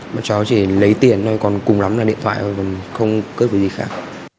bọn cháu chỉ lấy tiền thôi còn cùng lắm là điện thoại rồi còn không cướp được gì khác